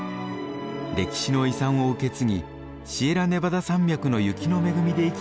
歴史の遺産を受け継ぎシエラネバダ山脈の雪の恵みで生きてきた大地が見渡せます。